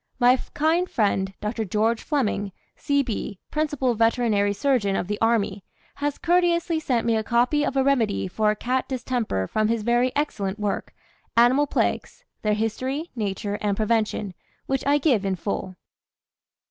My kind friend, Dr. George Fleming, C.B., principal veterinary surgeon of the army, has courteously sent me a copy of a remedy for cat distemper from his very excellent work, "Animal Plagues: their History, Nature, and Prevention," which I give in full.